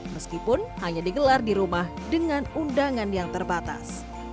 meskipun hanya digelar di rumah dengan undangan yang terbatas